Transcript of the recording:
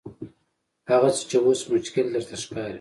هغه څه چې اوس مشکل درته ښکاري.